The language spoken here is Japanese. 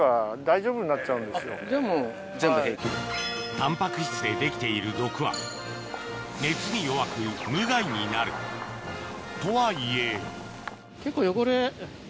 タンパク質でできている毒は熱に弱く無害になるとはいえ結構汚れ。